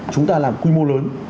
chúng ta làm quy mô lớn